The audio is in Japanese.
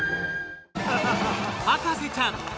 『博士ちゃん』！